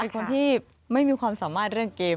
คนที่ไม่มีความสามารถเรื่องเกม